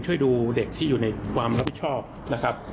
ช่วยดูเด็กที่อยู่ในความรับผิดชอบนะครับ